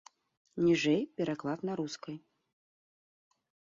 Ніжэй пераклад на рускай.